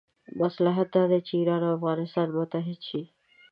مصلحت دا دی چې ایران او افغانستان متحد شي.